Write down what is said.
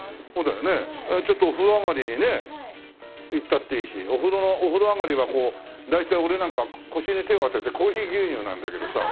ちょっと風呂上がりにね行ったっていいしお風呂のお風呂上がりは大体俺なんかは腰に手を当ててコーヒー牛乳なんだけどさ。